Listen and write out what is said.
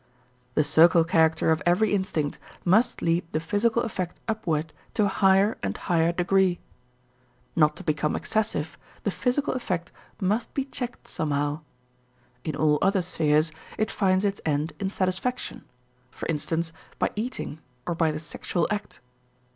The circle character of every instinct must lead the physical effect upward to a higher and higher degree. Not to become excessive, the physical effect must be checked somehow. In all other spheres, it finds its end in satisfaction, for instance, by eating or by the sexual act.